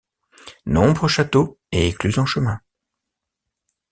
Nombreux châteaux et écluses en chemin.